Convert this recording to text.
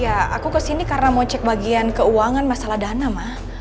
ya aku kesini karena mau cek bagian keuangan masalah dana mah